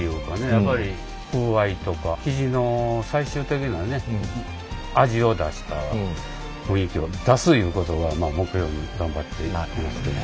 やっぱり風合いとか生地の最終的なね味を出した雰囲気を出すいうことを目標に頑張っていますけど。